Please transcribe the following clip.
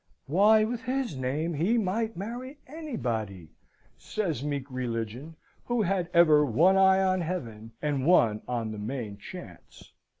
"Why, with his name, he might marry anybody," says meek Religion, who had ever one eye on Heaven and one on the main chance.